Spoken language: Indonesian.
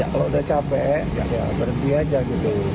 kalau sudah capek berhenti aja gitu